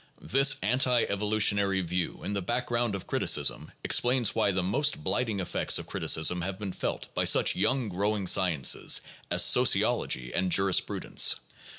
This anti evolutionary view in the background of criticism ex plains why the most blighting effects of criticism have been felt by such young growing sciences as sociology and jurisprudence.